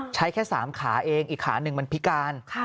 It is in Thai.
ใช้แค่๓ขาเองอีกขาหนึ่งมันพิการ